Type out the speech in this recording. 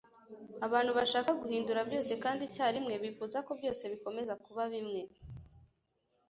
abantu bashaka guhindura byose, kandi icyarimwe, bifuza ko byose bikomeza kuba bimwe